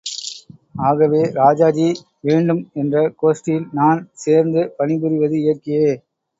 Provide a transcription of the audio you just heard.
ஆகவே ராஜாஜி வேண்டும் என்ற கோஷ்டியில் நான் சேர்ந்து பணிபுரிவது இயற்கையே!